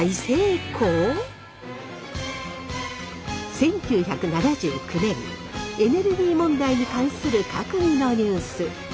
１９７９年エネルギー問題に関する閣議のニュース。